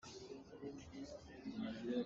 Kan it bak ah fawn a awn.